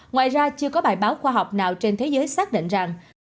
ngoài ra chưa có bài báo khoa học nào trên thế giới xác định rằng